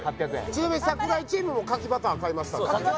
ちなみに櫻井チームも牡蠣バター買いましたそう牡蠣